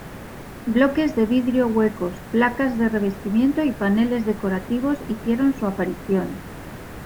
Bloques de vidrio huecos, placas de revestimiento y paneles decorativos hicieron su aparición.